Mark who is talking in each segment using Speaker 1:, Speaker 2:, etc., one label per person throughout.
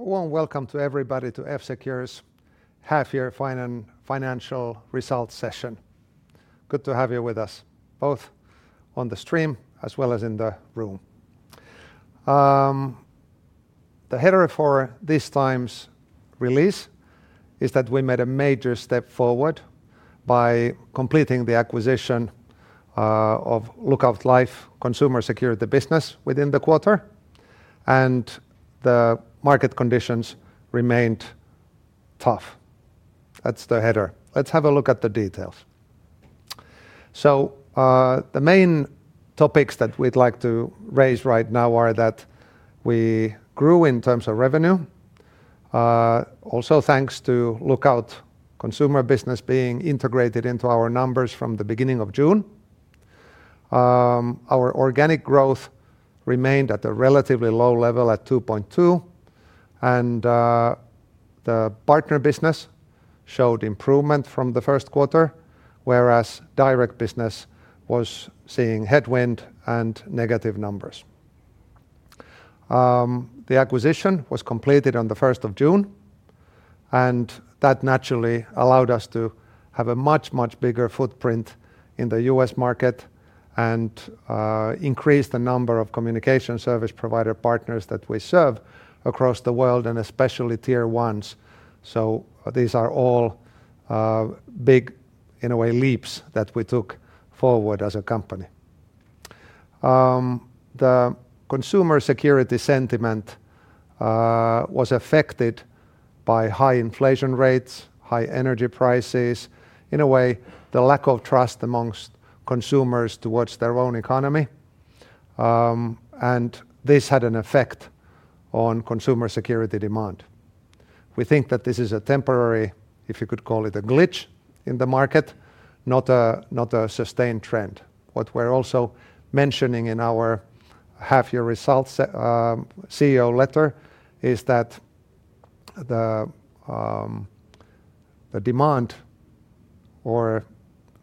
Speaker 1: A warm welcome to everybody to F-Secure's half-year financial results session. Good to have you with us, both on the stream as well as in the room. The header for this time's release is that we made a major step forward by completing the acquisition of Lookout Life consumer security business within the quarter. The market conditions remained tough. That's the header. Let's have a look at the details. The main topics that we'd like to raise right now are that we grew in terms of revenue, also, thanks to Lookout consumer business being integrated into our numbers from the beginning of June. Our organic growth remained at a relatively low level at 2.2%. The partner business showed improvement from the Q1, whereas direct business was seeing headwind and negative numbers. The acquisition was completed on the June 1, and that naturally allowed us to have a much, much bigger footprint in the U.S. market and increase the number of communication service provider partners that we serve across the world, and especially Tier 1s. These are all big, in a way, leaps that we took forward as a company. The consumer security sentiment was affected by high inflation rates, high energy prices, in a way, the lack of trust amongst consumers towards their own economy, and this had an effect on consumer security demand. We think that this is a temporary, if you could call it, a glitch in the market, not a, not a sustained trend. What we're also mentioning in our half-year results, CEO letter, is that the demand or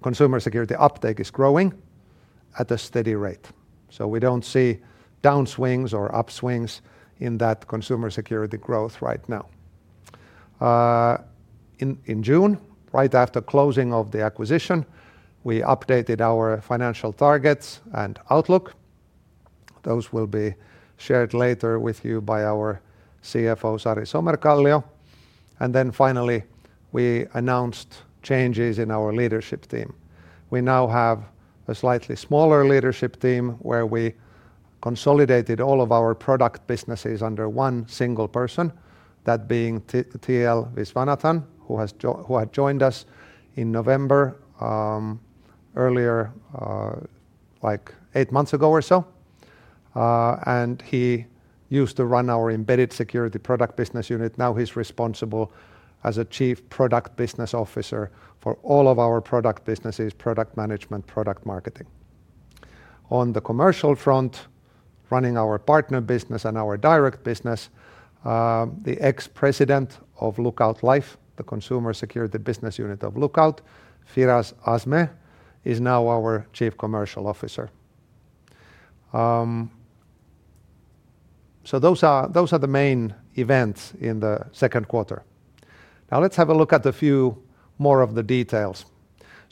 Speaker 1: consumer security uptake is growing at a steady rate, so we don't see downswings or upswings in that consumer security growth right now. In, in June, right after closing of the acquisition, we updated our financial targets and outlook. Those will be shared later with you by our CFO, Sari Somerkallio. Finally, we announced changes in our leadership team. We now have a slightly smaller leadership team, where we consolidated all of our product businesses under one single person, that being TL Viswanathan, who had joined us in November, earlier, like 8 months ago or so. He used to run our Embedded Security product business unit. He's responsible as a Chief Product Business Officer for all of our product businesses, product management, product marketing. On the commercial front, running our partner business and our direct business, the ex-president of Lookout Life, the consumer security business unit of Lookout, Firas Azmeh, is now our Chief Commercial Officer. Those are the main events in the Q2. Let's have a look at a few more of the details.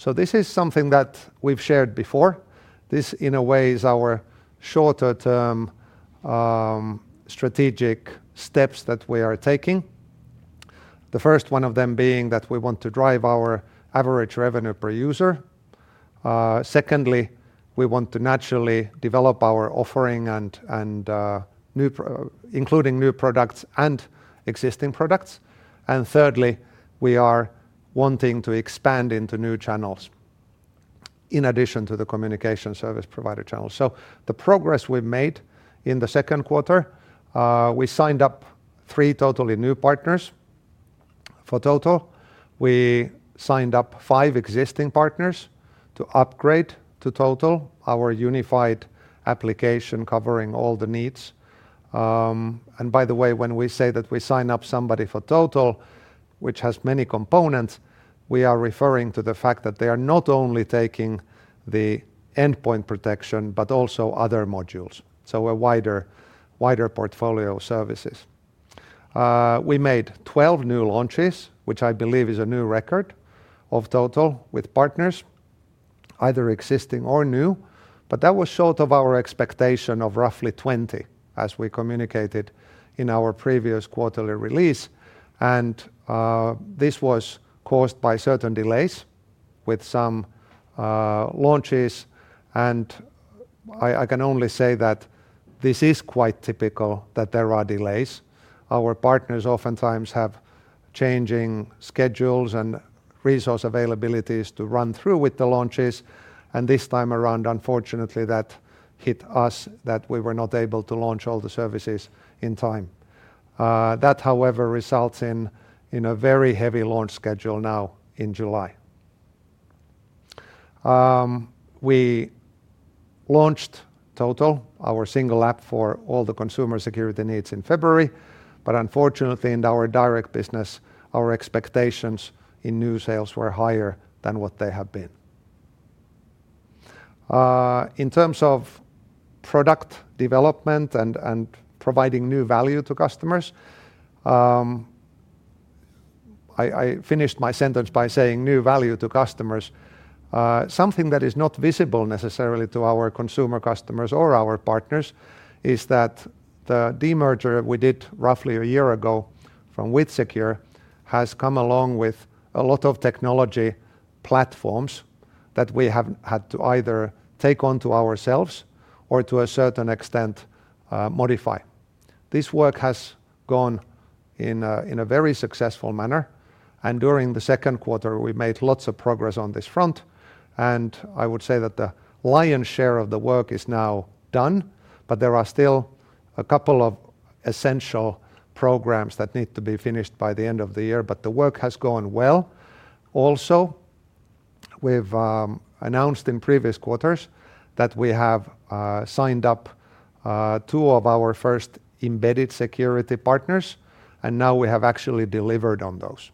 Speaker 1: This is something that we've shared before. This, in a way, is our shorter-term strategic steps that we are taking. The first one of them being that we want to drive our ARPU. Secondly, we want to naturally develop our offering and including new products and existing products. Thirdly, we are wanting to expand into new channels in addition to the communication service provider channel. The progress we've made in the Q2, we signed up 3 totally new partners for Total. We signed up 5 existing partners to upgrade to Total, our unified application covering all the needs. By the way, when we say that we sign up somebody for Total, which has many components, we are referring to the fact that they are not only taking the endpoint protection, but also other modules, so a wider portfolio of services. We made 12 new launches, which I believe is a new record of Total, with partners, either existing or new, but that was short of our expectation of roughly 20, as we communicated in our previous quarterly release. This was caused by certain delays with some launches, I can only say that this is quite typical, that there are delays. Our partners oftentimes have changing schedules and resource availabilities to run through with the launches, and this time around, unfortunately, that hit us, that we were not able to launch all the services in time. That, however, results in a very heavy launch schedule now in July. We launched Total, our single app for all the consumer security needs, in February, but unfortunately, in our direct business, our expectations in new sales were higher than what they have been. In terms of product development and providing new value to customers, I finished my sentence by saying new value to customers. Something that is not visible necessarily to our consumer customers or our partners, is that the demerger we did roughly a year ago from WithSecure, has come along with a lot of technology platforms that we have had to either take onto ourselves or to a certain extent, modify. This work has gone in a very successful manner, during the Q2, we made lots of progress on this front. I would say that the lion's share of the work is now done, but there are still a couple of essential programs that need to be finished by the end of the year. The work has gone well. Also, we've announced in previous quarters that we have signed up two of our first embedded security partners, and now we have actually delivered on those.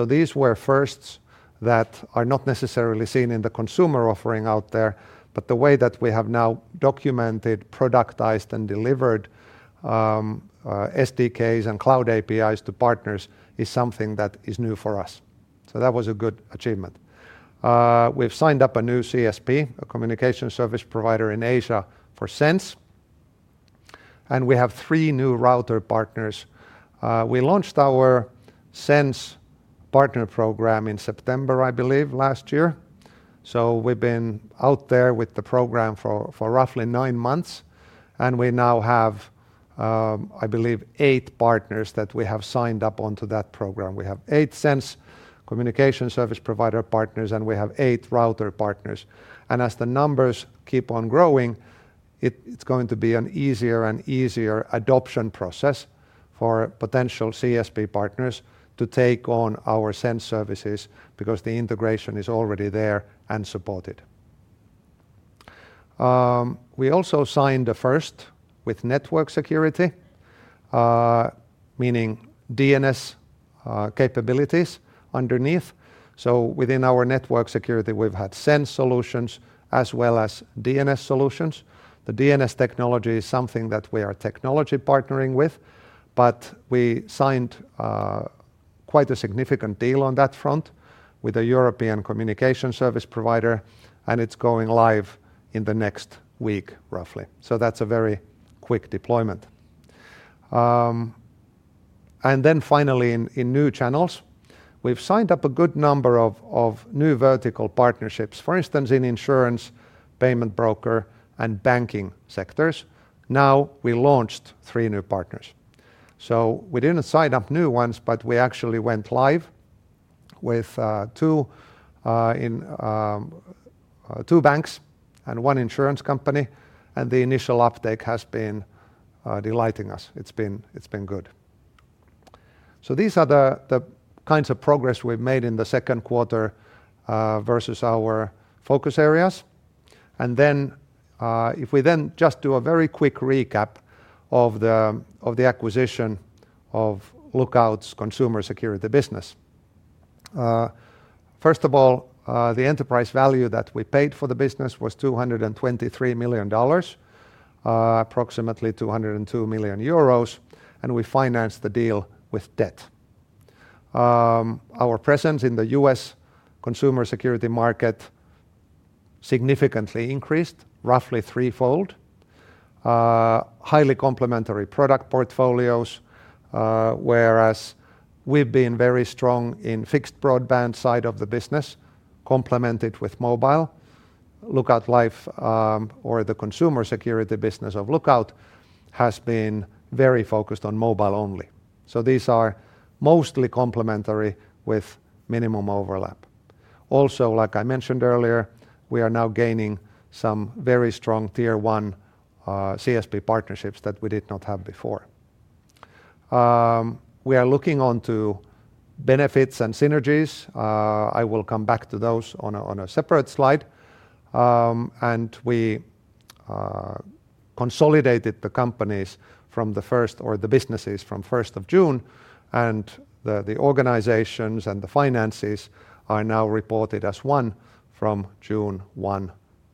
Speaker 1: These were firsts that are not necessarily seen in the consumer offering out there, but the way that we have now documented, productized, and delivered SDKs and cloud APIs to partners is something that is new for us. That was a good achievement. We've signed up a new CSP, a communication service provider in Asia for SENSE, and we have three new router partners. We launched our SENSE partner program in September, I believe, last year. We've been out there with the program for roughly nine months, and we now have, I believe, eight partners that we have signed up onto that program. We have eight SENSE communication service provider partners, and we have eight router partners. As the numbers keep on growing, it's going to be an easier and easier adoption process for potential CSP partners to take on our SENSE services because the integration is already there and supported. We also signed a first with network security, meaning DNS capabilities underneath. Within our network security, we've had SENSE solutions as well as DNS solutions. The DNS technology is something that we are technology partnering with, but we signed quite a significant deal on that front with a European communication service provider, and it's going live in the next week, roughly. That's a very quick deployment. Finally, in new channels, we've signed up a good number of new vertical partnerships. For instance, in insurance, payment broker, and banking sectors. Now, we launched 3 new partners. We didn't sign up new ones, but we actually went live with 2 in 2 banks and 1 insurance company, and the initial uptake has been delighting us. It's been good. These are the kinds of progress we've made in the Q2 versus our focus areas. If we then just do a very quick recap of the acquisition of Lookout's Consumer Security Business. First of all, the enterprise value that we paid for the business was $223 million, approximately 202 million euros, and we financed the deal with debt. Our presence in the U.S. consumer security market significantly increased, roughly threefold. Highly complementary product portfolios, whereas we've been very strong in fixed broadband side of the business, complemented with mobile. Lookout Life, or the consumer security business of Lookout, has been very focused on mobile only. These are mostly complementary with minimum overlap. Like I mentioned earlier, we are now gaining some very strong Tier 1 CSP partnerships that we did not have before. We are looking onto benefits and synergies. I will come back to those on a separate slide. We consolidated the businesses from June 1, and the organizations and the finances are now reported as one from June 1,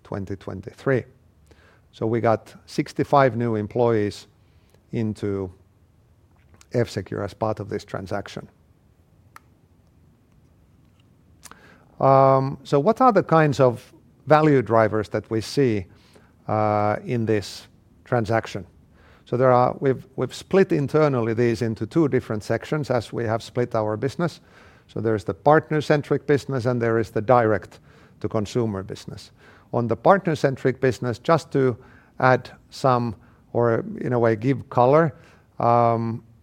Speaker 1: 2023. We got 65 new employees into F-Secure as part of this transaction. What are the kinds of value drivers that we see in this transaction? We've split internally these into 2 different sections as we have split our business. There's the partner-centric business, and there is the direct-to-consumer business. On the partner-centric business, just to add some or in a way, give color,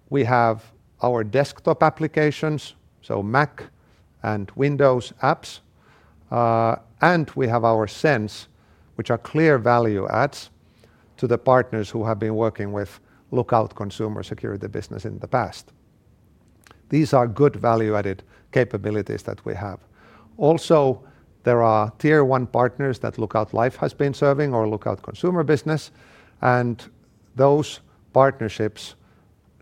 Speaker 1: we have our desktop applications, so Mac and Windows apps, and we have our SENSE, which are clear value adds to the partners who have been working with Lookout consumer security business in the past. These are good value-added capabilities that we have. There are Tier 1 partners that Lookout Life has been serving or Lookout consumer business, and those partnerships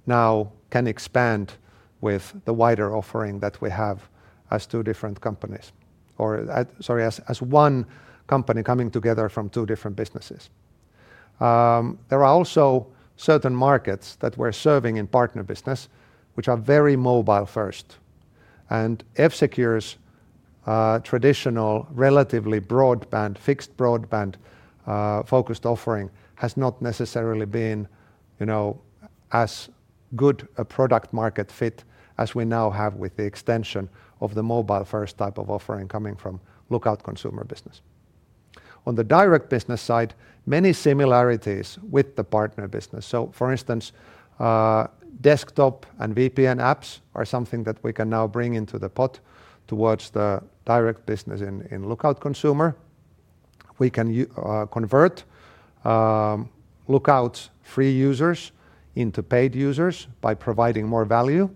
Speaker 1: now can expand with the wider offering that we have as two different companies, or, sorry, as one company coming together from two different businesses. There are also certain markets that we're serving in partner business, which are very mobile first. F-Secure's traditional, relatively broadband, fixed broadband, focused offering has not necessarily been, you know, as good a product market fit as we now have with the extension of the mobile-first type of offering coming from Lookout Consumer Business. On the direct business side, many similarities with the partner business. For instance, desktop and VPN apps are something that we can now bring into the pot towards the direct business in Lookout Consumer. We can convert Lookout's free users into paid users by providing more value.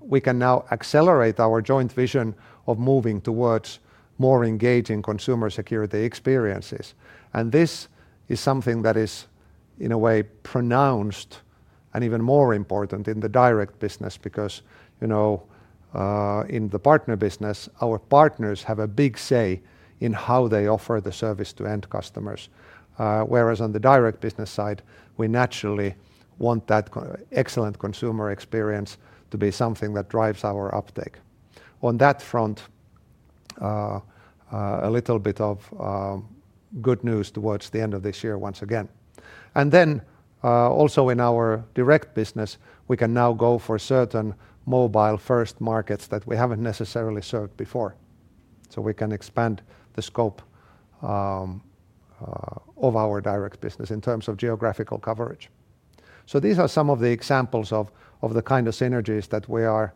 Speaker 1: We can now accelerate our joint vision of moving towards more engaging consumer security experiences. This is something that is, in a way, pronounced and even more important in the direct business because, you know, in the partner business, our partners have a big say in how they offer the service to end customers. Whereas on the direct business side, we naturally want that excellent consumer experience to be something that drives our uptake. On that front, a little bit of good news towards the end of this year once again. Also in our direct business, we can now go for certain mobile-first markets that we haven't necessarily served before, so we can expand the scope of our direct business in terms of geographical coverage. These are some of the examples of the kind of synergies that we are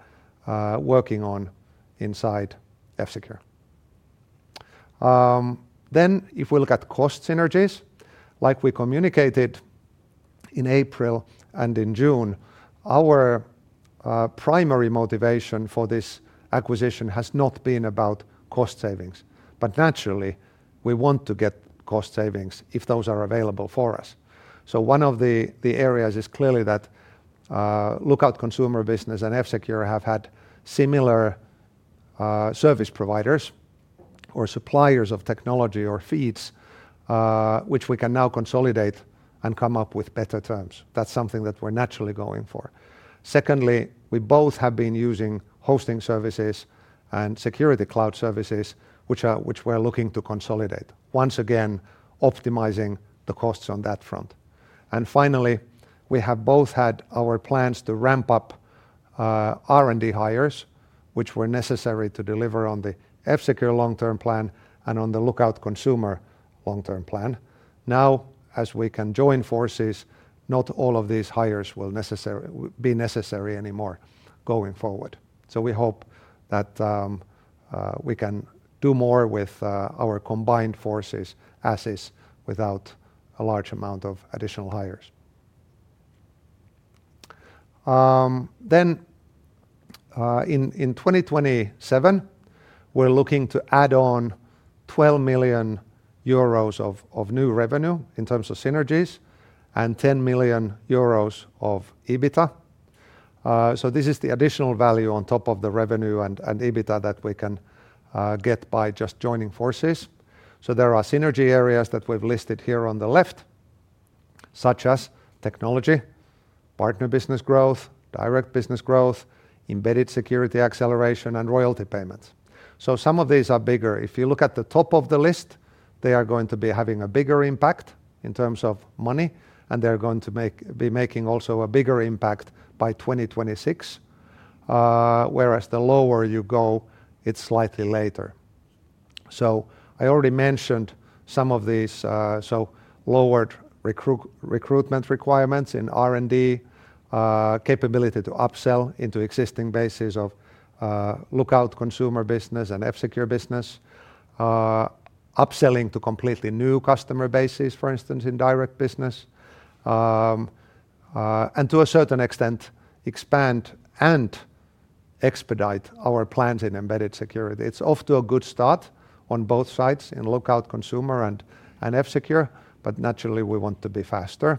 Speaker 1: working on inside F-Secure. If we look at cost synergies, like we communicated in April and in June, our primary motivation for this acquisition has not been about cost savings, but naturally, we want to get cost savings if those are available for us. One of the areas is clearly that Lookout Consumer Business and F-Secure have had similar service providers or suppliers of technology or feeds, which we can now consolidate and come up with better terms. That's something that we're naturally going for. Secondly, we both have been using hosting services and security cloud services, which we're looking to consolidate, once again, optimizing the costs on that front. Finally, we have both had our plans to ramp up R&D hires, which were necessary to deliver on the F-Secure long-term plan and on the Lookout Consumer long-term plan. Now, as we can join forces, not all of these hires will be necessary anymore going forward. We hope that we can do more with our combined forces as is, without a large amount of additional hires. In 2027, we're looking to add on 12 million euros of new revenue in terms of synergies, and 10 million euros of EBITDA. This is the additional value on top of the revenue and EBITDA that we can get by just joining forces. There are synergy areas that we've listed here on the left, such as technology, partner business growth, direct business growth, Embedded Security acceleration, and royalty payments. Some of these are bigger. If you look at the top of the list, they are going to be having a bigger impact in terms of money, and they're going to be making also a bigger impact by 2026, whereas the lower you go, it's slightly later. I already mentioned some of these, so lowered recruitment requirements in R&D, capability to upsell into existing bases of Lookout Consumer Business and F-Secure business, upselling to completely new customer bases, for instance, in direct business, and to a certain extent, expand and expedite our plans in Embedded Security. It's off to a good start on both sides, in Lookout Consumer and F-Secure, naturally, we want to be faster.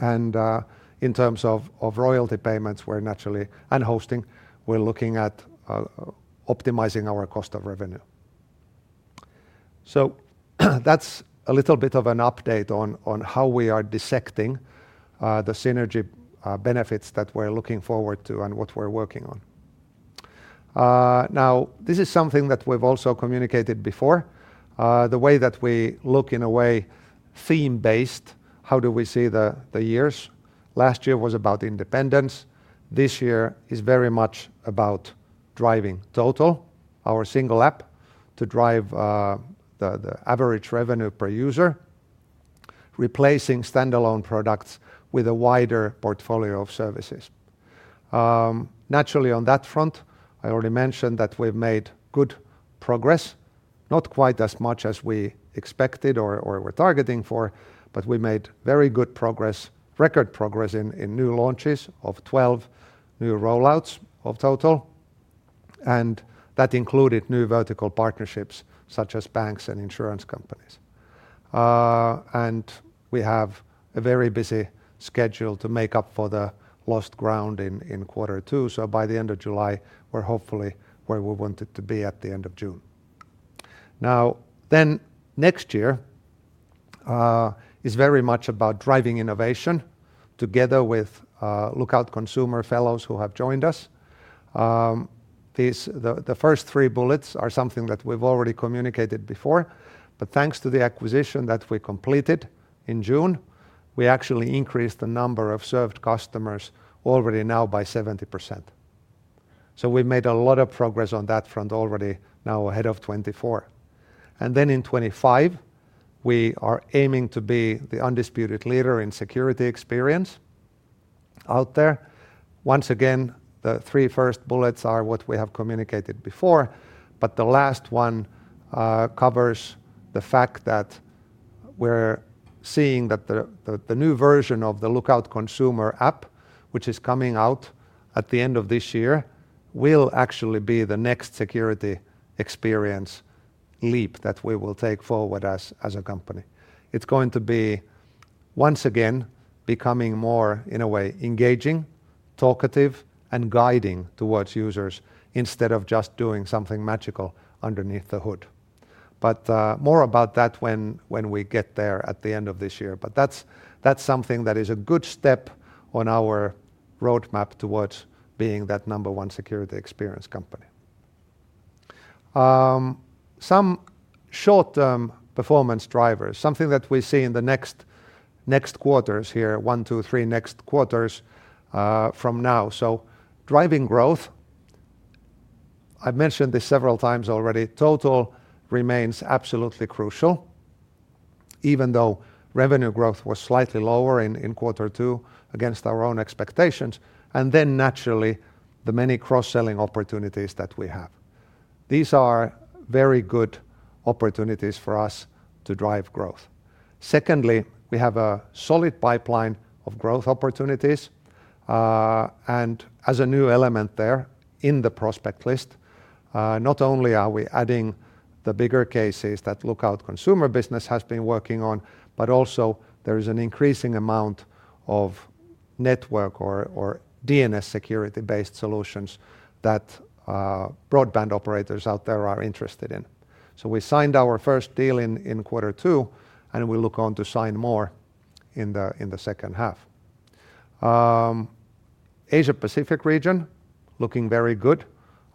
Speaker 1: In terms of royalty payments and hosting, we're looking at optimizing our cost of revenue. That's a little bit of an update on how we are dissecting the synergy benefits that we're looking forward to and what we're working on. Now, this is something that we've also communicated before, the way that we look in a way, theme-based, how do we see the years? Last year was about independence. This year is very much about driving Total, our single app, to drive the average revenue per user, replacing standalone products with a wider portfolio of services. Naturally, on that front, I already mentioned that we've made good progress, not quite as much as we expected or were targeting for, but we made very good progress, record progress in new launches of 12 new rollouts of Total. That included new vertical partnerships, such as banks and insurance companies. We have a very busy schedule to make up for the lost ground in quarter 2. By the end of July, we're hopefully where we wanted to be at the end of June. Next year is very much about driving innovation together with Lookout consumer fellows who have joined us. The first three bullets are something that we've already communicated before. Thanks to the acquisition that we completed in June, we actually increased the number of served customers already now by 70%. We've made a lot of progress on that front already, now ahead of 2024. In 2025, we are aiming to be the undisputed leader in security experience out there. Once again, the 3 first bullets are what we have communicated before, but the last one covers the fact that we're seeing that the new version of the Lookout consumer app, which is coming out at the end of this year, will actually be the next security experience leap that we will take forward as a company. It's going to be, once again, becoming more, in a way, engaging, talkative, and guiding towards users instead of just doing something magical underneath the hood. More about that when we get there at the end of this year. That's something that is a good step on our roadmap towards being that number 1 security experience company. Some short-term performance drivers, something that we see in the next quarters here, 1, 2, 3 next quarters from now. Driving growth, I've mentioned this several times already, F-Secure Total remains absolutely crucial, even though revenue growth was slightly lower in quarter two against our own expectations, naturally, the many cross-selling opportunities that we have. We have a solid pipeline of growth opportunities, as a new element there in the prospect list, not only are we adding the bigger cases that Lookout consumer BU has been working on, but also there is an increasing amount of network or, DNS security-based solutions that broadband operators out there are interested in. We signed our first deal in quarter two, we look on to sign more in the second half. Asia Pacific region, looking very good.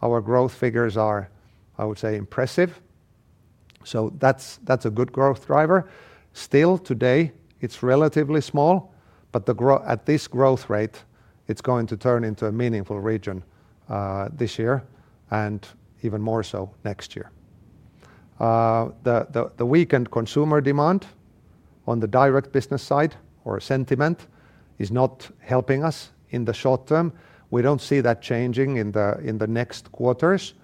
Speaker 1: Our growth figures are, I would say, impressive, so that's a good growth driver. Still, today, it's relatively small, but at this growth rate, it's going to turn into a meaningful region this year and even more so next year. The weakened consumer demand on the direct business side or sentiment is not helping us in the short term. We don't see that changing in the next quarters,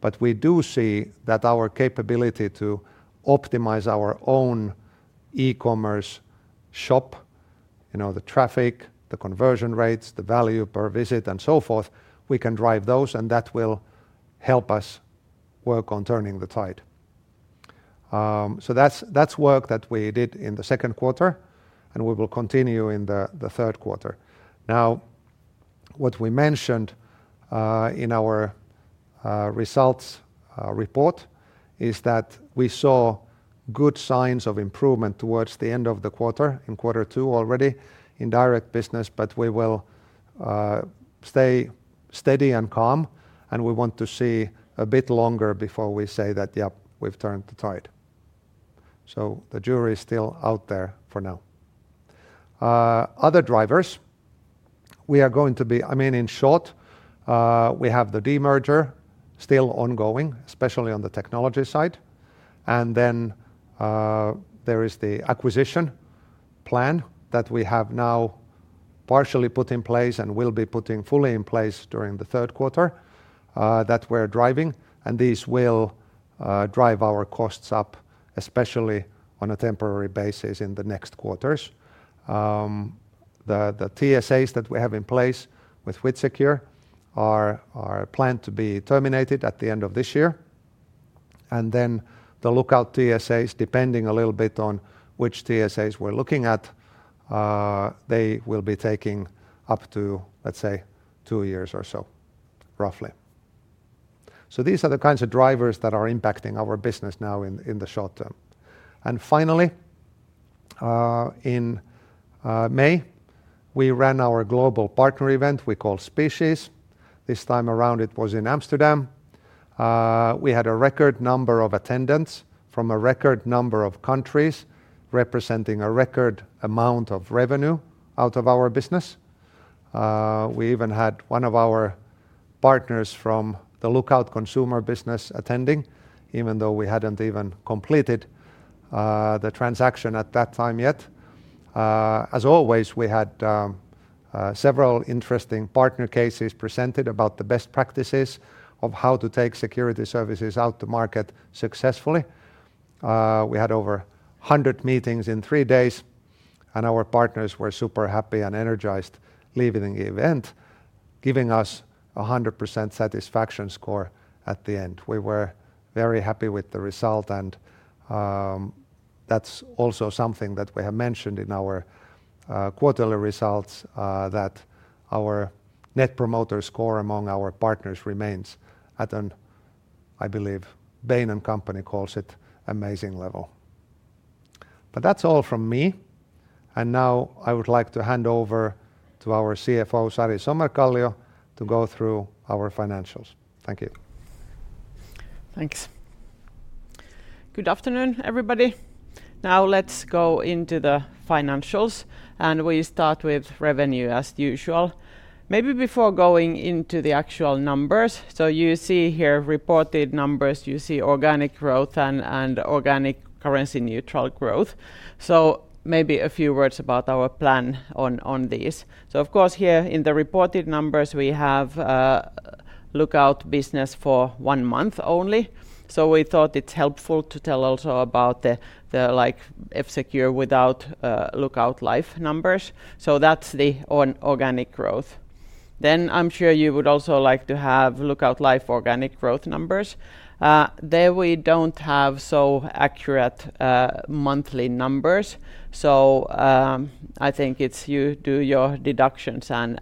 Speaker 1: but we do see that our capability to optimize our own e-commerce shop, you know, the traffic, the conversion rates, the value per visit, and so forth, we can drive those, and that will help us work on turning the tide. That's work that we did in the Q2, and we will continue in the Q3. What we mentioned in our results report is that we saw good signs of improvement towards the end of the quarter, in quarter two already in direct business, but we will stay steady and calm, and we want to see a bit longer before we say that, "Yep, we've turned the tide." The jury is still out there for now. Other drivers, I mean, in short, we have the demerger still ongoing, especially on the technology side, and then there is the acquisition plan that we have now partially put in place and will be putting fully in place during the Q3, that we're driving, and these will drive our costs up, especially on a temporary basis in the next quarters. The TSAs that we have in place with WithSecure are planned to be terminated at the end of this year, and then the Lookout TSAs, depending a little bit on which TSAs we're looking at, they will be taking up to, let's say, two years or so, roughly. These are the kinds of drivers that are impacting our business now in the short term. Finally, in May, we ran our global partner event we call SPHERE. This time around, it was in Amsterdam. We had a record number of attendants from a record number of countries, representing a record amount of revenue out of our business. We even had one of our partners from the Lookout consumer business attending, even though we hadn't even completed the transaction at that time yet. As always, we had several interesting partner cases presented about the best practices of how to take security services out to market successfully. We had over 100 meetings in 3 days. Our partners were super happy and energized leaving the event, giving us a 100% satisfaction score at the end. We were very happy with the result. That's also something that we have mentioned in our quarterly results, that our Net Promoter Score among our partners remains at and, I believe, Bain & Company calls it amazing level. That's all from me. Now I would like to hand over to our CFO, Sari Somerkallio, to go through our financials. Thank you.
Speaker 2: Thanks. Good afternoon, everybody. Now let's go into the financials, and we start with revenue as usual. Maybe before going into the actual numbers, you see here reported numbers, you see organic growth and organic currency-neutral growth. Maybe a few words about our plan on this. Of course, here in the reported numbers, we have Lookout Life for one month only. We thought it's helpful to tell also about the F-Secure without Lookout Life numbers. That's the organic growth. I'm sure you would also like to have Lookout Life organic growth numbers. There we don't have so accurate monthly numbers, I think it's you do your deductions and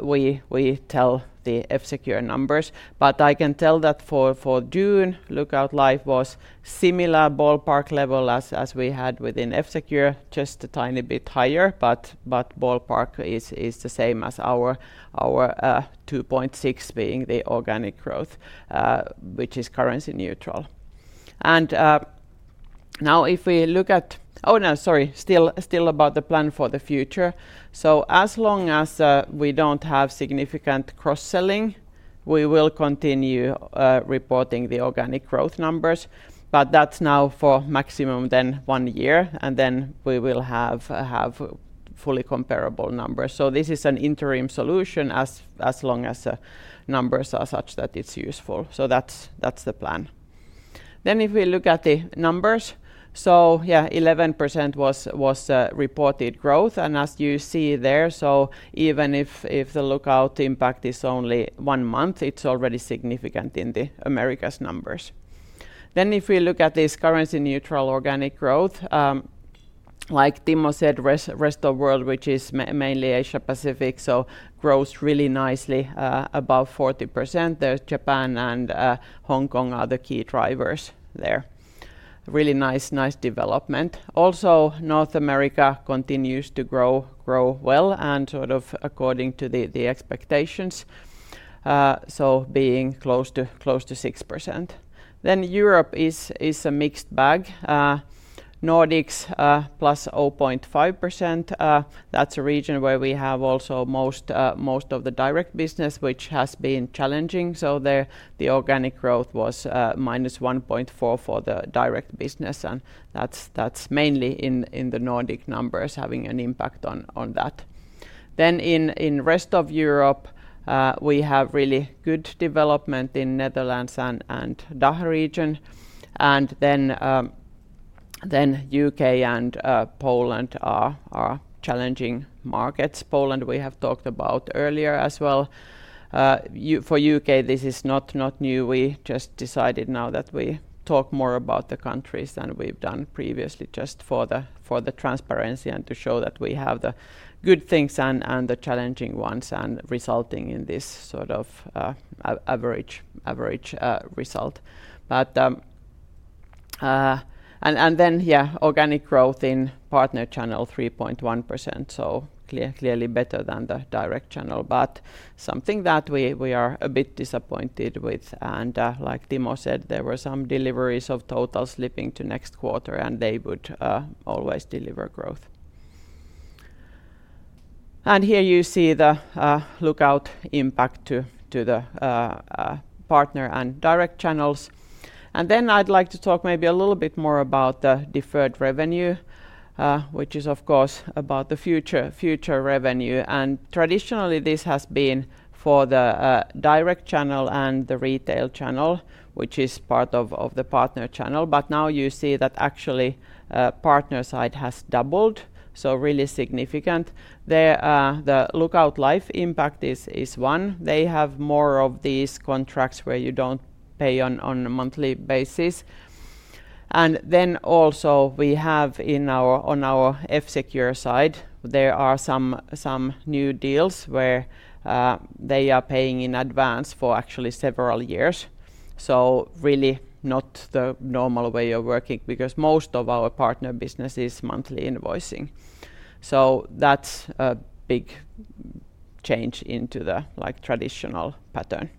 Speaker 2: we tell the F-Secure numbers. I can tell that for June, Lookout Life was similar ballpark level as we had within F-Secure, just a tiny bit higher, ballpark is the same as our 2.6 being the organic growth, which is currency neutral. Still about the plan for the future. As long as we don't have significant cross-selling, we will continue reporting the organic growth numbers, but that's now for maximum then one year, and then we will have fully comparable numbers. This is an interim solution as long as the numbers are such that it's useful. That's the plan. If we look at the numbers, 11% was reported growth, and as you see there, even if the Lookout impact is only 1 month, it's already significant in the Americas numbers. If we look at this currency-neutral organic growth, like Timo said, rest of world, which is mainly Asia Pacific, grows really nicely, above 40%. There's Japan and Hong Kong are the key drivers there. Really nice development. Also, North America continues to grow well and sort of according to the expectations, being close to 6%. Europe is a mixed bag. Nordics, +0.5%, that's a region where we have also most of the direct business, which has been challenging, so the organic growth was -1.4 for the direct business, and that's mainly in the Nordic numbers having an impact on that. In rest of Europe, we have really good development in Netherlands and DACH region, and then UK and Poland are challenging markets. Poland, we have talked about earlier as well. For UK, this is not new. We just decided now that we talk more about the countries than we've done previously, just for the transparency and to show that we have the good things and the challenging ones, and resulting in this sort of average result. Organic growth in partner channel, 3.1%, so clearly better than the direct channel, but something that we are a bit disappointed with. Like Timo said, there were some deliveries of Total slipping to next quarter, and they would always deliver growth. Here you see the Lookout impact to the partner and direct channels. I'd like to talk maybe a little bit more about the deferred revenue, which is, of course, about the future revenue. Traditionally, this has been for the direct channel and the retail channel, which is part of the partner channel, but now you see that actually, partner side has doubled, so really significant. The Lookout Life impact is one. They have more of these contracts where you don't pay on a monthly basis. Then also we have on our F-Secure side, there are some new deals where they are paying in advance for actually several years. Really not the normal way of working, because most of our partner business is monthly invoicing. That's a big change into the, like, traditional pattern.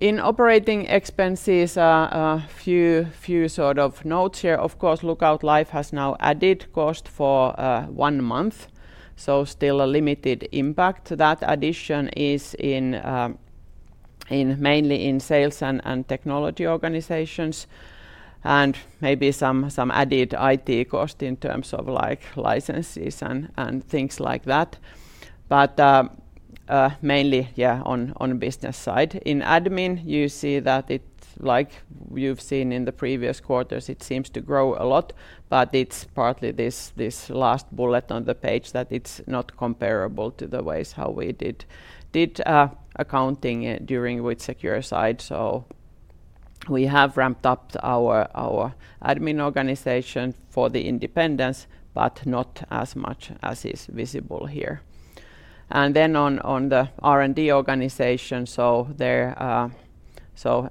Speaker 2: In operating expenses, a few sort of notes here. Of course, Lookout Life has now added cost for 1 month, so still a limited impact. That addition is in mainly in sales and technology organizations, and maybe some added IT cost in terms of, like, licenses and things like that, mainly, yeah, on business side. In admin, you see that it, like you've seen in the previous quarters, it seems to grow a lot, but it's partly this last bullet on the page that it's not comparable to the ways how we did accounting during WithSecure side. We have ramped up our admin organization for the independence, but not as much as is visible here. On the R&D organization,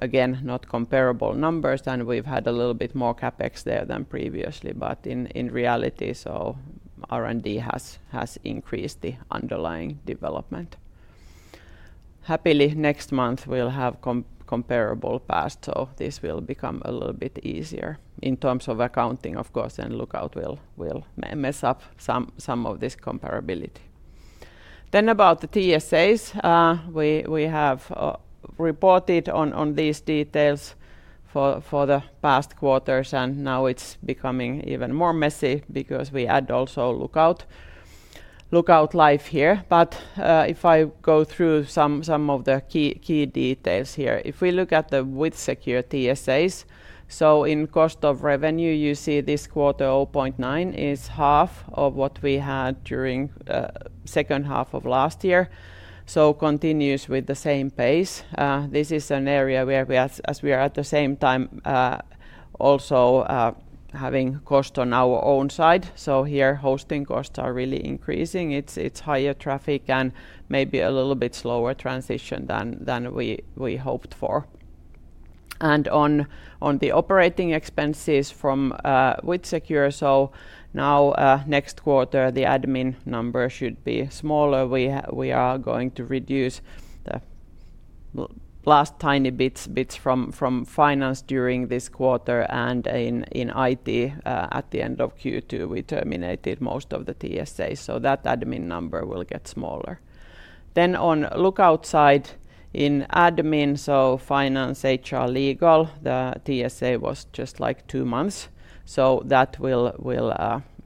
Speaker 2: again, not comparable numbers, and we've had a little bit more CapEx there than previously, but in reality, R&D has increased the underlying development. Happily, next month, we'll have comparable path, this will become a little bit easier in terms of accounting, of course, Lookout will mess up some of this comparability. About the TSAs, we have reported on these details for the past quarters, now it's becoming even more messy because we add also Lookout Life here. If I go through some of the key details here: If we look at the WithSecure TSAs, in cost of revenue, you see this quarter 0.9, is half of what we had during second half of last year, continues with the same pace. This is an area whereas we are at the same time, also having cost on our own side. Here, hosting costs are really increasing. It's higher traffic and maybe a little bit slower transition than we hoped for. On the operating expenses from WithSecure, now, next quarter, the admin number should be smaller. We are going to reduce the last tiny bits from finance during this quarter. In IT, at the end of Q2, we terminated most of the TSA, so that admin number will get smaller. On Lookout side, in admin, finance, HR, legal, the TSA was just like two months, so that will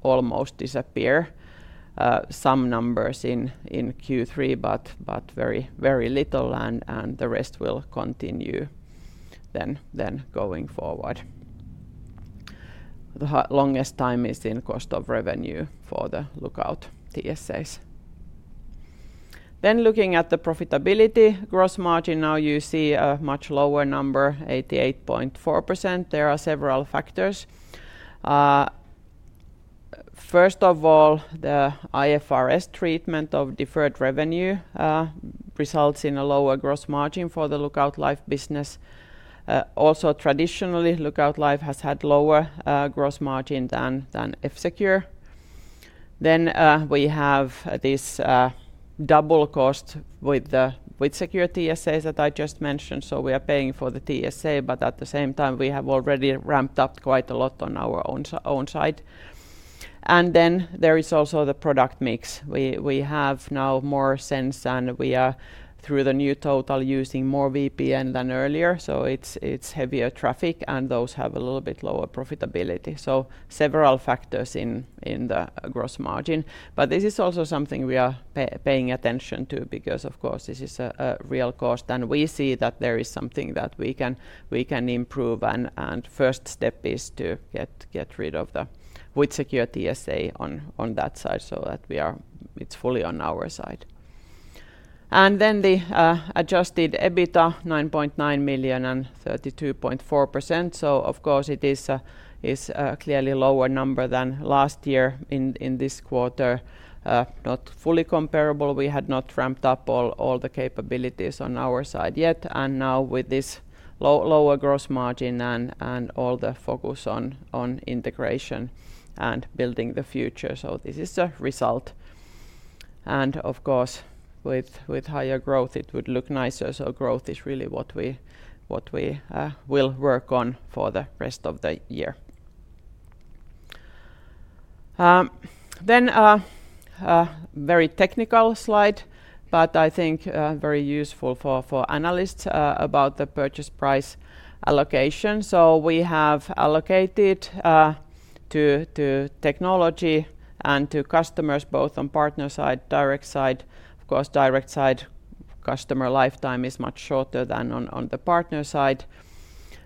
Speaker 2: almost disappear. Some numbers in Q3, but very little, and the rest will continue going forward. The longest time is in cost of revenue for the Lookout TSAs. Looking at the profitability gross margin, now you see a much lower number, 88.4%. There are several factors. First of all, the IFRS treatment of deferred revenue results in a lower gross margin for the Lookout Life business. Also traditionally, Lookout Life has had lower gross margin than F-Secure. We have this double cost with the WithSecure TSAs that I just mentioned, so we are paying for the TSA, but at the same time, we have already ramped up quite a lot on our own side. There is also the product mix. We have now more SENSE, and we are, through the new Total, using more VPN than earlier, so it's heavier traffic, and those have a little bit lower profitability, so several factors in the gross margin. This is also something we are paying attention to because, of course, this is a real cost, and we see that there is something that we can improve on, and first step is to get rid of the WithSecure TSA on that side so that we are it's fully on our side. The adjusted EBITDA, 9.9 million and 32.4%, so of course it is clearly lower number than last year in this quarter. Not fully comparable, we had not ramped up all the capabilities on our side yet, and now with this lower gross margin and all the focus on integration and building the future, so this is the result. Of course, with higher growth, it would look nicer, so growth is really what we will work on for the rest of the year. Then, a very technical slide, but I think very useful for analysts about the purchase price allocation. We have allocated to technology and to customers, both on partner side, direct side. Of course, direct side, customer lifetime is much shorter than on the partner side.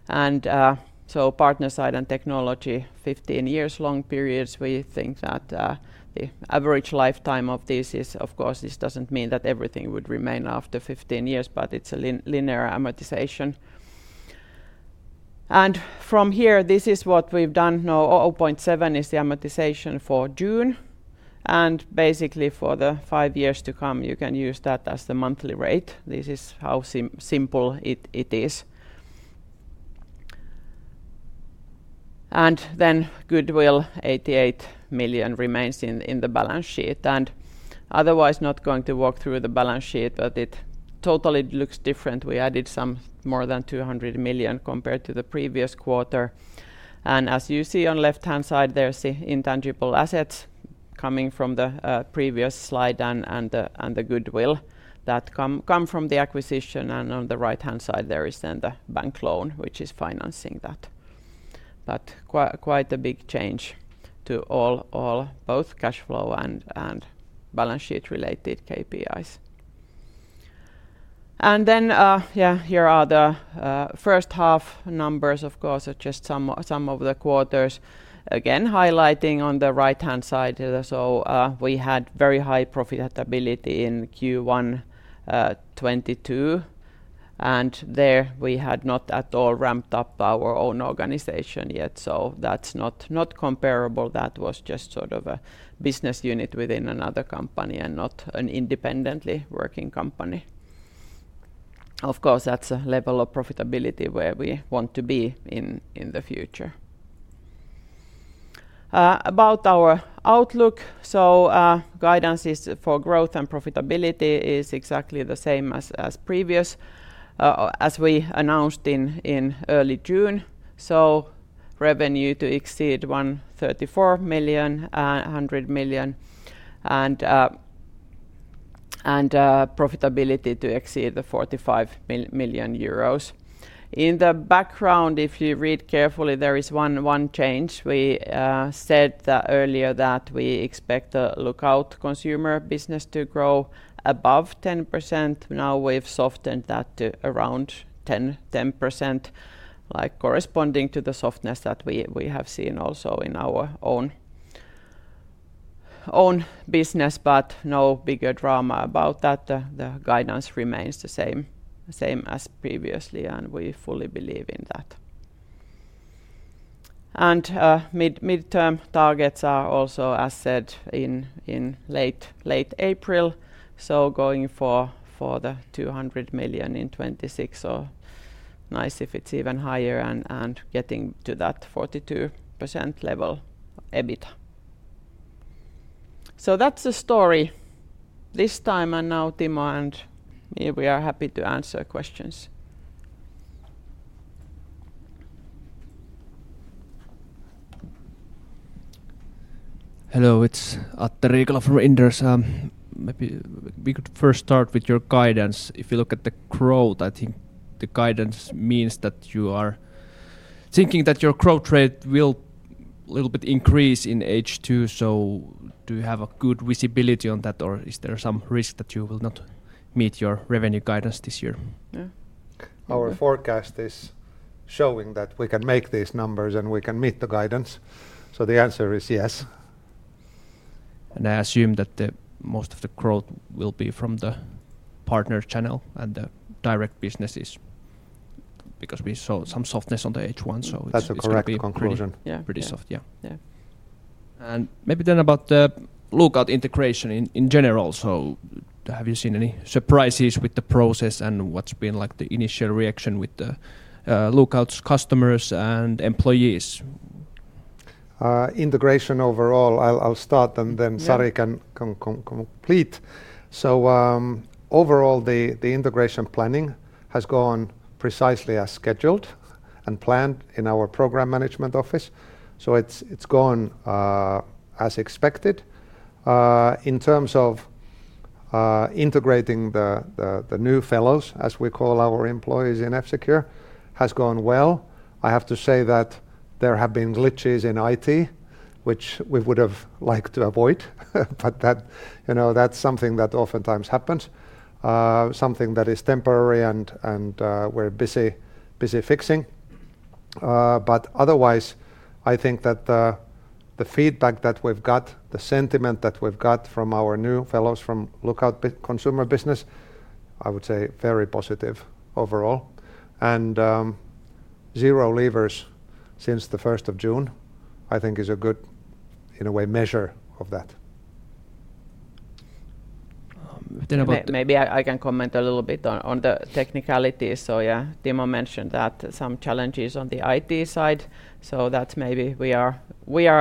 Speaker 2: So partner side and technology, 15 years long periods, we think that the average lifetime of this is, of course, this doesn't mean that everything would remain after 15 years, but it's a linear amortization. From here, this is what we've done. 0.7 is the amortization for June. Basically for the five years to come, you can use that as the monthly rate. This is how simple it is. Then goodwill, 88 million remains in the balance sheet. Otherwise, not going to walk through the balance sheet, but it totally looks different. We added some more than 200 million compared to the previous quarter. As you see on left-hand side, there's the intangible assets coming from the previous slide and the goodwill that come from the acquisition. On the right-hand side, there is then the bank loan, which is financing that. Quite a big change to all both cash flow and balance sheet-related KPIs. Then, yeah, here are the first half numbers. Of course, just some of the quarters, again, highlighting on the right-hand side here. We had very high profitability in Q1 2022, and there we had not at all ramped up our own organization yet, so that's not comparable. That was just sort of a business unit within another company and not an independently working company. Of course, that's a level of profitability where we want to be in the future. About our outlook, guidance is for growth and profitability is exactly the same as previous, as we announced in early June. Revenue to exceed 100 million, and profitability to exceed 45 million euros. In the background, if you read carefully, there is one change. We said that earlier that we expect the Lookout Consumer Business to grow above 10%. Now, we've softened that to around 10%, like corresponding to the softness that we have seen also in our own business, no bigger drama about that. The guidance remains the same as previously, we fully believe in that. Mid-term targets are also, as said, in late April, going for the 200 million in 2026, nice if it's even higher and getting to that 42% level EBITA. That's the story this time, now Timo and me, we are happy to answer questions.
Speaker 3: Hello, it's Atte Riikola from Inderes. Maybe we could first start with your guidance. If you look at the growth, I think the guidance means that you are thinking that your growth rate will little bit increase in H2, do you have a good visibility on that, or is there some risk that you will not meet your revenue guidance this year?
Speaker 2: Yeah.
Speaker 1: Our forecast is showing that we can make these numbers, and we can meet the guidance. The answer is yes.
Speaker 3: I assume that the most of the growth will be from the partner channel and the direct business is. We saw some softness on the H1.
Speaker 1: That's a correct conclusion.
Speaker 3: Yeah, pretty soft. Yeah.
Speaker 2: Yeah.
Speaker 3: Maybe then about the Lookout integration in general, so have you seen any surprises with the process, and what's been, like, the initial reaction with the Lookout's customers and employees?
Speaker 1: Integration overall, I'll start.
Speaker 2: Yeah
Speaker 1: Sari can complete. Overall, the integration planning has gone precisely as scheduled and planned in our program management office, so it's gone as expected. In terms of integrating the new fellows, as we call our employees in F-Secure, has gone well. I have to say that there have been glitches in IT, which we would have liked to avoid, but that, you know, that's something that oftentimes happens, something that is temporary, and we're busy fixing. Otherwise, I think that the feedback that we've got, the sentiment that we've got from our new fellows from Lookout consumer business, I would say very positive overall, and zero leavers since the June 1, I think is a good, in a way, measure of that.
Speaker 3: Um, then about-
Speaker 2: Maybe I can comment a little bit on the technicalities. Timo mentioned that some challenges on the IT side, that's maybe we are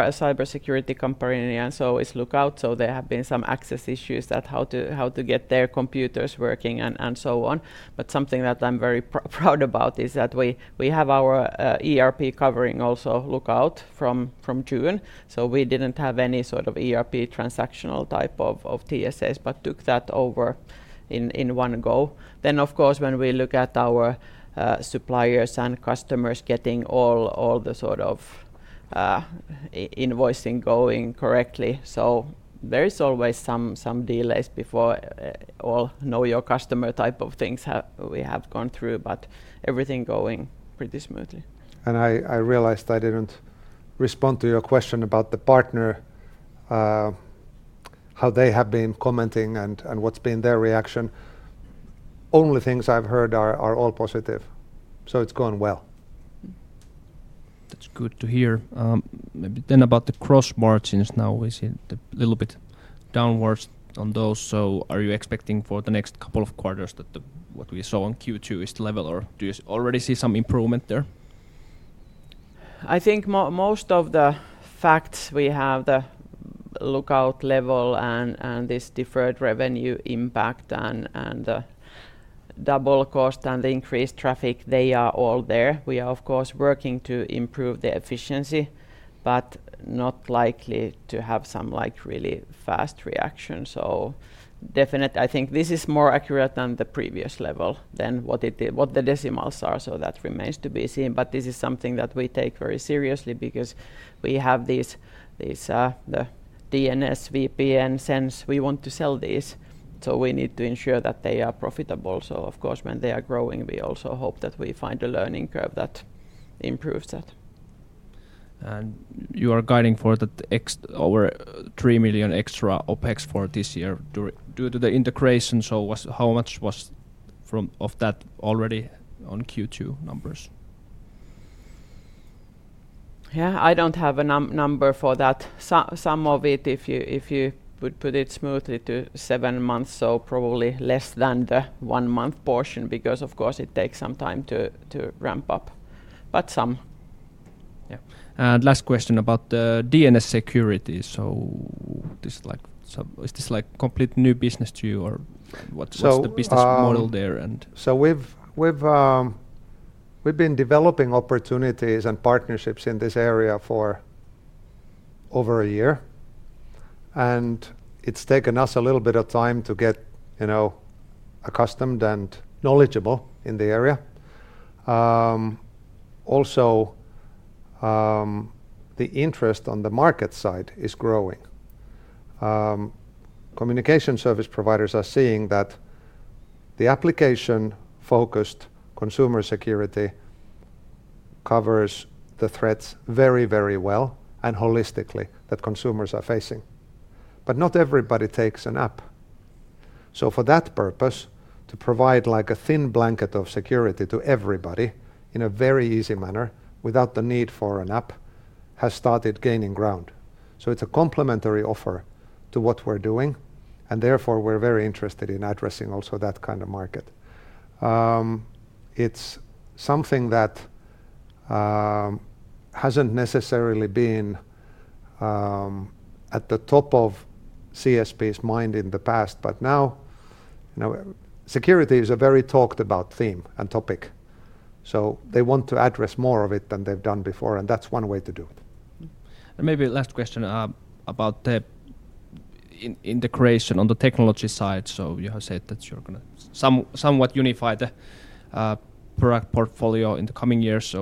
Speaker 2: a cybersecurity company, and so is Lookout, there have been some access issues that how to get their computers working and so on. Something that I'm very proud about is that we have our ERP covering also Lookout from June, we didn't have any sort of ERP transactional type of TSA, but took that over in one go. Of course, when we look at our suppliers and customers getting all the sort of invoicing going correctly, there is always some delays before all know-your-customer type of things we have gone through, but everything going pretty smoothly.
Speaker 1: I realized I didn't respond to your question about the partner, how they have been commenting and what's been their reaction. Only things I've heard are all positive, so it's going well.
Speaker 3: That's good to hear. Maybe about the cross margins now, we see the little bit downwards on those, so are you expecting for the next couple of quarters that what we saw on Q2 is the level, or do you already see some improvement there?
Speaker 2: I think most of the facts we have, the Lookout level, and this deferred revenue impact, and the double cost, and the increased traffic, they are all there. We are, of course, working to improve the efficiency, but not likely to have some, like, really fast reaction. I think this is more accurate than the previous level, than what the decimals are, so that remains to be seen, but this is something that we take very seriously because we have these DNS, VPN, since we want to sell these, so we need to ensure that they are profitable. Of course, when they are growing, we also hope that we find a learning curve that improves that.
Speaker 3: You are guiding for the over 3 million extra OpEx for this year due to the integration. How much was of that already on Q2 numbers?
Speaker 2: Yeah, I don't have a number for that. Some of it, if you would put it smoothly to 7 months, so probably less than the 1-month portion, because of course it takes some time to ramp up. Some.
Speaker 3: Yeah. Last question about the DNS security? This like, is this like complete new business to you, or what's?
Speaker 1: So, um-
Speaker 3: What's the business model there and?
Speaker 1: We've been developing opportunities and partnerships in this area for over a year, and it's taken us a little bit of time to get, you know, accustomed and knowledgeable in the area. Also, the interest on the market side is growing. Communication service providers are seeing that the application-focused consumer security covers the threats very, very well and holistically that consumers are facing. Not everybody takes an app. For that purpose, to provide like a thin blanket of security to everybody in a very easy manner, without the need for an app, has started gaining ground. It's a complementary offer to what we're doing, and therefore, we're very interested in addressing also that kind of market. It's something that hasn't necessarily been at the top of CSP's mind in the past, but now, you know, security is a very talked about theme and topic, so they want to address more of it than they've done before, and that's one way to do it.
Speaker 3: maybe last question, about the integration on the technology side. you have said that you're gonna somewhat unify the product portfolio in the coming years.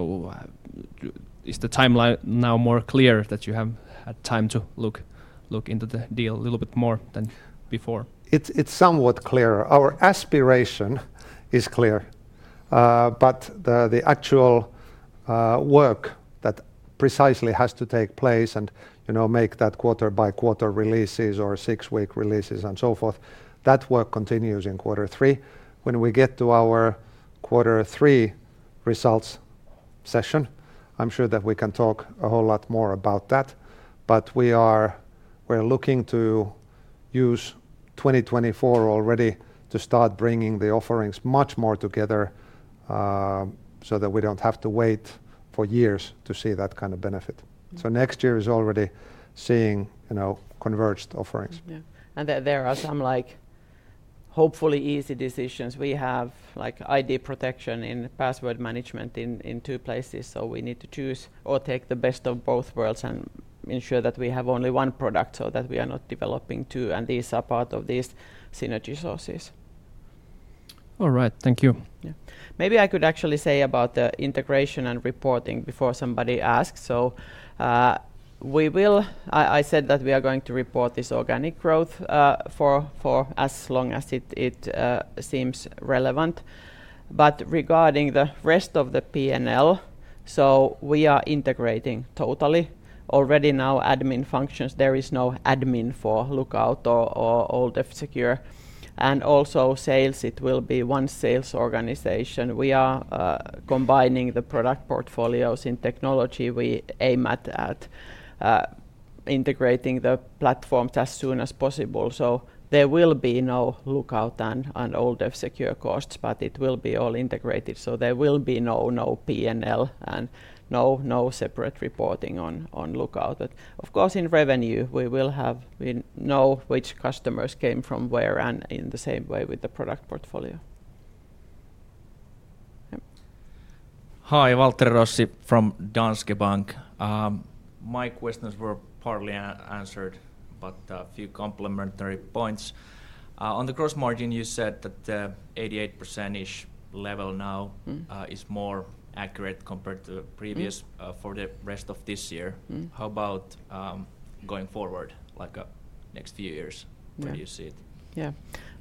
Speaker 3: is the timeline now more clear that you have had time to look into the deal a little bit more than before?
Speaker 1: It's somewhat clearer. Our aspiration is clear, but the actual work that precisely has to take place and, you know, make that quarter-by-quarter releases or six-week releases and so forth, that work continues in quarter 3. When we get to our quarter 3 results session, I'm sure that we can talk a whole lot more about that, but we're looking to use 2024 already to start bringing the offerings much more together, so that we don't have to wait for years to see that kind of benefit.
Speaker 2: Mm.
Speaker 1: Next year is already seeing, you know, converged offerings.
Speaker 2: Yeah. There are some, like, hopefully, easy decisions. We have, like, ID Protection and password management in two places, so we need to choose or take the best of both worlds and ensure that we have only one product, so that we are not developing two, and these are part of these synergy sources.
Speaker 3: All right. Thank you.
Speaker 2: Maybe I could actually say about the integration and reporting before somebody asks. I said that we are going to report this organic growth for as long as it seems relevant. Regarding the rest of the PNL, we are integrating totally. Already now, admin functions, there is no admin for Lookout or old F-Secure. Also sales, it will be one sales organization. We are combining the product portfolios. In technology, we aim at integrating the platforms as soon as possible. There will be no Lookout and old F-Secure costs, but it will be all integrated, there will be no PNL and no separate reporting on Lookout. Of course, in revenue, we know which customers came from where and in the same way with the product portfolio. Yep.
Speaker 4: Hi, Waltteri Rossi from Danske Bank. My questions were partly answered, but a few complementary points. On the gross margin, you said that, 88%-Ish level now-
Speaker 2: Mm...
Speaker 4: is more accurate compared to.
Speaker 2: Mm...
Speaker 4: for the rest of this year.
Speaker 2: Mm.
Speaker 4: How about, going forward, like, next few years.
Speaker 2: Yeah
Speaker 4: where do you see it?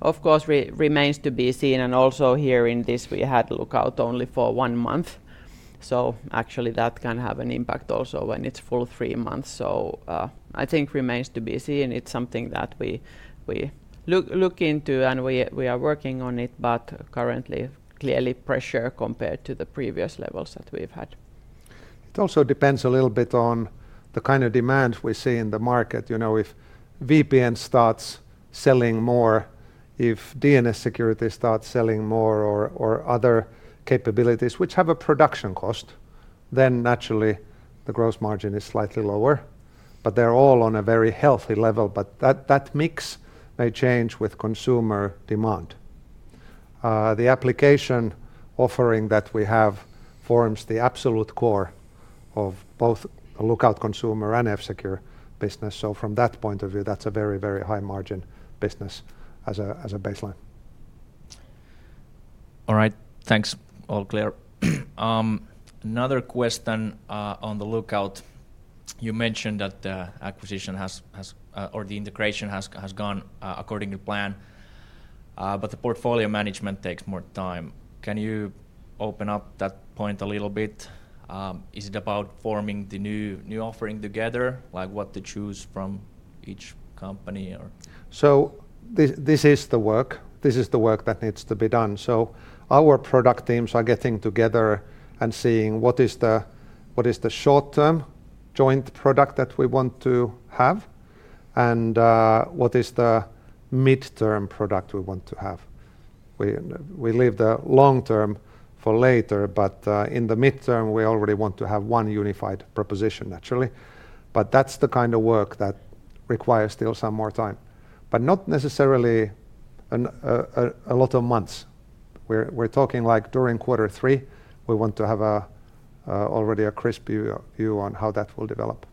Speaker 2: Of course, remains to be seen, and also here in this, we had Lookout only for one month, so actually, that can have an impact also when it's full three months. I think remains to be seen. It's something that we look into, and we are working on it, but currently, clearly pressure compared to the previous levels that we've had.
Speaker 1: It also depends a little bit on the kind of demand we see in the market. You know, if VPN starts selling more, if DNS security starts selling more or other capabilities which have a production cost, then naturally, the gross margin is slightly lower, but they're all on a very healthy level. That, that mix may change with consumer demand. The application offering that we have forms the absolute core of both the Lookout consumer and F-Secure business. From that point of view, that's a very, very high-margin business as a, as a baseline.
Speaker 4: All right, thanks. All clear. Another question, on the Lookout. You mentioned that the acquisition or the integration has gone, according to plan, but the portfolio management takes more time. Can you open up that point a little bit? Is it about forming the new offering together, like what to choose from each company, or?
Speaker 1: This is the work that needs to be done. Our product teams are getting together and seeing what is the short-term joint product that we want to have, and what is the midterm product we want to have? We leave the long term for later, but in the midterm, we already want to have one unified proposition, naturally. That's the kind of work that requires still some more time, but not necessarily a lot of months. We're talking, like, during quarter 3, we want to have already a crisp view on how that will develop.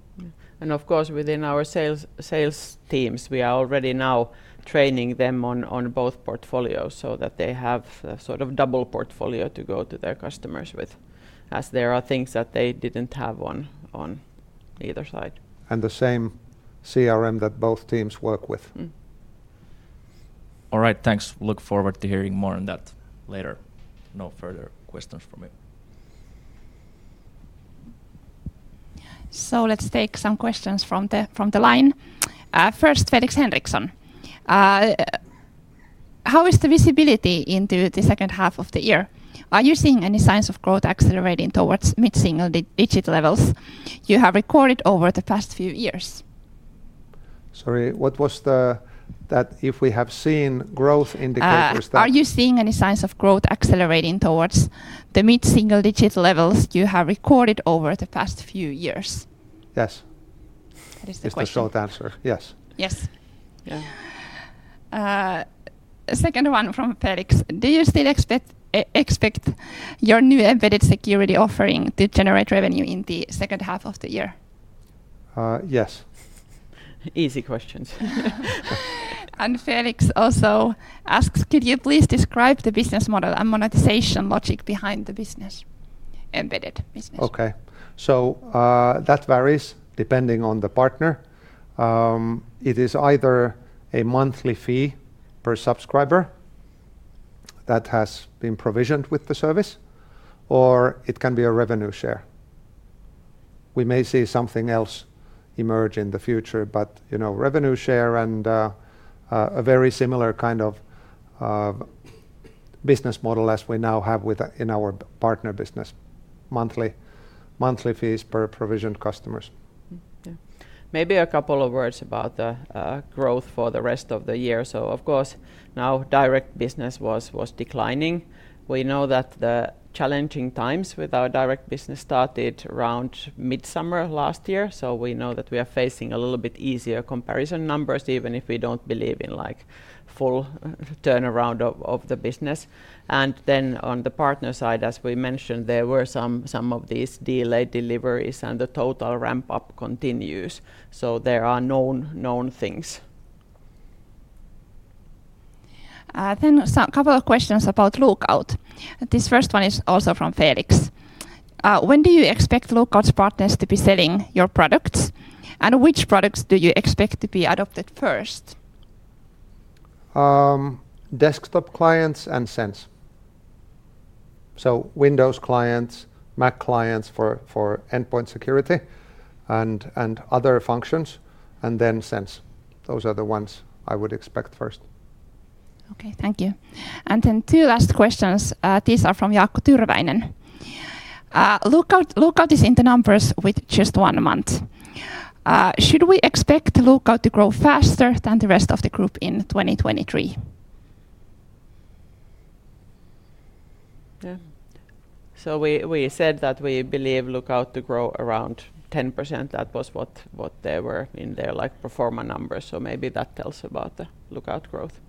Speaker 2: Of course, within our sales teams, we are already now training them on both portfolios so that they have a sort of double portfolio to go to their customers with, as there are things that they didn't have on either side.
Speaker 1: The same CRM that both teams work with.
Speaker 2: Mm.
Speaker 4: All right, thanks. Look forward to hearing more on that later. No further questions from me.
Speaker 5: Let's take some questions from the line. First, Felix Henriksson. How is the visibility into the second half of the year? Are you seeing any signs of growth accelerating towards mid-single digit levels you have recorded over the past few years?
Speaker 1: Sorry, what was the? That if we have seen growth indicators that.
Speaker 5: Are you seeing any signs of growth accelerating towards the mid-single digit levels you have recorded over the past few years?
Speaker 1: Yes.
Speaker 5: That is the question.
Speaker 1: Is the short answer, yes.
Speaker 5: Yes.
Speaker 2: Yeah.
Speaker 5: Second one from Felix: Do you still expect your new Embedded Security offering to generate revenue in the second half of the year?
Speaker 1: Yes.
Speaker 2: Easy questions.
Speaker 5: Felix also asks, "Could you please describe the business model and monetization logic behind the business, embedded business?
Speaker 1: Okay. That varies depending on the partner. It is either a monthly fee per subscriber that has been provisioned with the service, or it can be a revenue share. We may see something else emerge in the future, but, you know, revenue share and a very similar kind of business model as we now have with, in our partner business: monthly fees per provisioned customers.
Speaker 2: Yeah. Maybe a couple of words about the growth for the rest of the year. Of course, now direct business was declining. We know that the challenging times with our direct business started around mid-summer last year, so we know that we are facing a little bit easier comparison numbers, even if we don't believe in, like, full turnaround of the business. On the partner side, as we mentioned, there were some of these delayed deliveries, and the total ramp-up continues, so there are known things.
Speaker 5: Some couple of questions about Lookout. This first one is also from Felix. When do you expect Lookout's partners to be selling your products, and which products do you expect to be adopted first?
Speaker 1: Desktop clients and SENSE. Windows clients, Mac clients for endpoint security, and other functions, and then SENSE. Those are the ones I would expect first.
Speaker 5: Okay, thank you. Then two last questions. These are from Jaakko Tyrväinen. "Lookout is in the numbers with just one month. Should we expect Lookout to grow faster than the rest of the group in 2023?
Speaker 2: Yeah. We said that we believe Lookout to grow around 10%. That was what they were in their, like, pro forma numbers, so maybe that tells about the Lookout growth.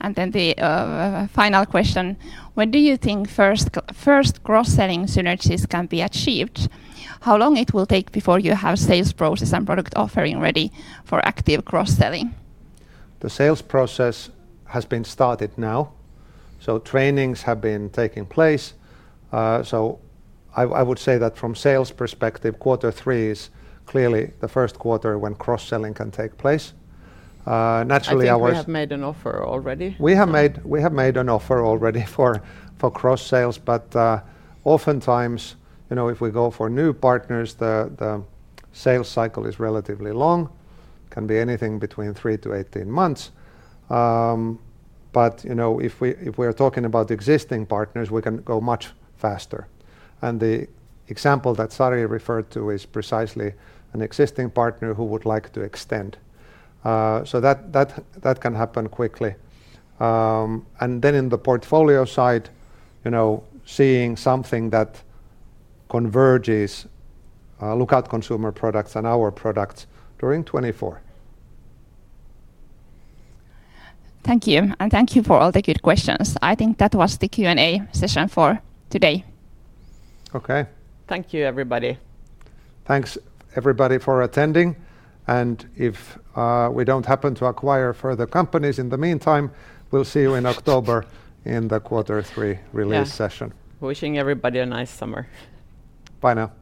Speaker 5: The final question: When do you think first cross-selling synergies can be achieved? How long it will take before you have sales process and product offering ready for active cross-selling?
Speaker 1: The sales process has been started now, so trainings have been taking place. I would say that from sales perspective, quarter three is clearly the Q1 when cross-selling can take place. Naturally.
Speaker 2: I think we have made an offer already.
Speaker 1: We have made an offer already for cross-sales, oftentimes, you know, if we go for new partners, the sales cycle is relatively long, can be anything between 3 to 18 months. You know, if we're talking about existing partners, we can go much faster, and the example that Sari referred to is precisely an existing partner who would like to extend. That can happen quickly. Then in the portfolio side, you know, seeing something that converges, Lookout consumer products and our products during 2024.
Speaker 5: Thank you, and thank you for all the good questions. I think that was the Q&A session for today.
Speaker 1: Okay.
Speaker 2: Thank you, everybody.
Speaker 1: Thanks, everybody, for attending, and if we don't happen to acquire further companies in the meantime, we'll see you in October in the quarter 3 release session.
Speaker 2: Yeah. Wishing everybody a nice summer.
Speaker 1: Bye now.